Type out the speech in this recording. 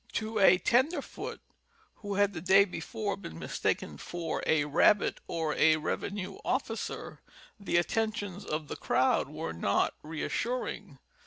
To a " tenderfoot " (who had the day before been mistaken for. a rabbit or a revenue ofl&cer !) the attentions of the crowd were not reassuring.